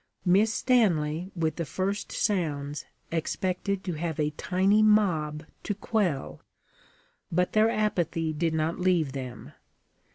Miss Stanley, with the first sounds, expected to have a tiny mob to quell; but their apathy did not leave them.